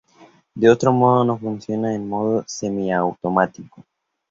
De otro modo, funciona en modo semiautomático.